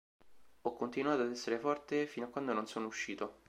Ho continuato ad essere forte fino a quando non sono uscito".